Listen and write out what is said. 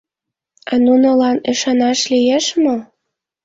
А нунылан ӱшанаш лиеш мо?